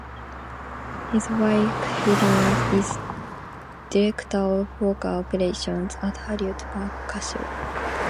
His wife, Phyllis, is director of poker operations at Hollywood Park Casino.